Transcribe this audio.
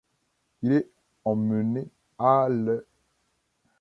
Il est emmené à l'.